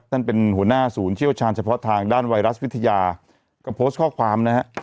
ท่านเป็นหัวหน้าศูนย์เชี่ยวชาญเฉพาะทางด้านไวรัสวิทยาก็โพสต์ข้อความนะฮะ